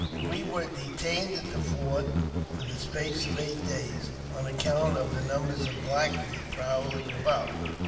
We were detained at the fort for the space of eight days, o! account of the numbers of Black Feet prowling about.